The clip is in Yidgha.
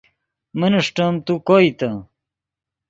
من اݰٹیم تو کوئیتے